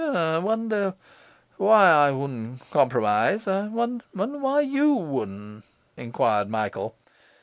'I wonder why I wouldn' compromise? I wonder why YOU wouldn'?' enquired Michael.